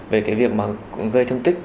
về cái việc mà cũng gây thương tích